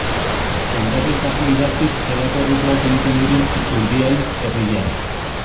Kontatu ezazu idatziz zelako errituak egiten diren Urdiain herrian.